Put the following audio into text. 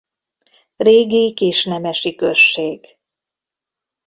Régi kisnemesi község.